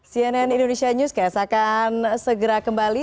cnn indonesia newscast akan segera kembali